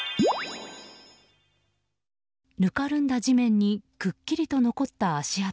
ぬかるんだ地面にくっきりと残った足跡。